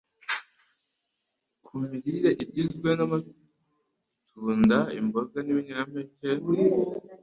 ku mirire igizwe n’amatunda, imboga, n’ibinyampeke.